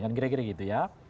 gira gira gitu ya